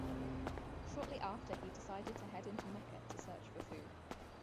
Shortly after He decided to head into Mecca to search for food.